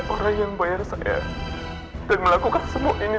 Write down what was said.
saya tidak mau nanti akan merubah pandangan kamu terhadap mertua kamu sendiri